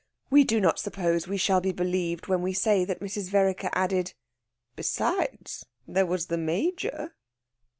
We do not suppose we shall be believed when we say that Mrs. Vereker added: "Besides, there was the Major."